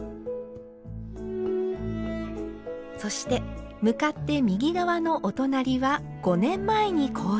そして向かって右側のお隣は５年前に購入。